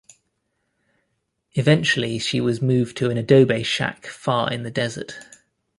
Eventually, she was moved to an adobe shack far in the desert.